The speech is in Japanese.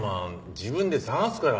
自分で探すから。